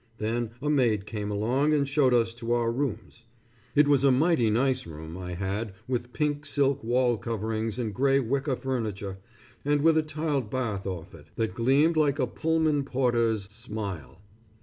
Then a maid came along and showed us to our rooms. It was a mighty nice room I had, with pink silk wall coverings and gray wicker furniture, and with a tiled bath off it, that gleamed like a Pullman porter's smile.